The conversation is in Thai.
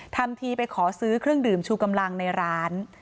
ทำทีไปขอซื้อเครื่องดื่มชูกำลังในร้าน